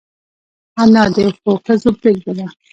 انا د ښو ښځو بېلګه ده